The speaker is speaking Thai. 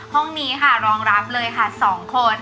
ห้องนี้ค่ะรองรับเลยค่ะ๒คน